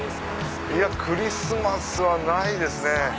いやクリスマスはないですね。